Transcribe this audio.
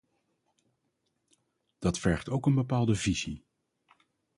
Dat vergt ook een bepaalde visie.